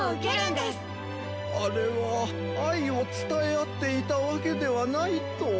あれはあいをつたえあっていたわけではないと。